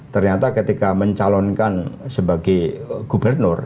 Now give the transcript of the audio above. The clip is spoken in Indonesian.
ternyata ketika mencalonkan sebagai gubernur